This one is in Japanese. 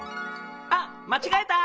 あっまちがえた！